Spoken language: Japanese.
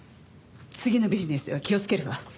次のビジネスでは気をつけるわ。